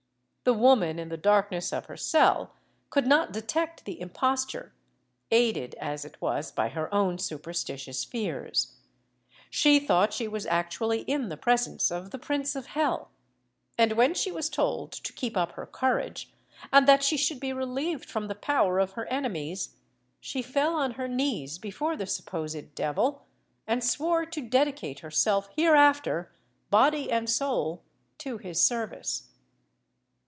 The woman, in the darkness of her cell, could not detect the imposture, aided as it was by her own superstitious fears. She thought she was actually in the presence of the prince of hell; and when she was told to keep up her courage, and that she should be relieved from the power of her enemies, she fell on her knees before the supposed devil, and swore to dedicate herself hereafter, body and soul, to his service.